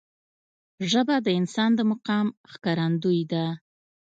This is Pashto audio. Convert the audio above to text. ژبه د انسان د مقام ښکارندوی ده